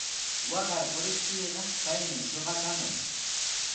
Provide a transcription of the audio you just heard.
Waqar puriptiiqa paymi shuqakaman.